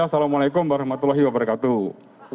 assalamualaikum warahmatullahi wabarakatuh